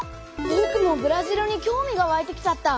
ぼくもブラジルに興味がわいてきちゃった。